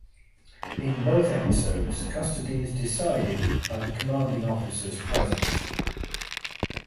In both episodes, custody is decided by the commanding officers present.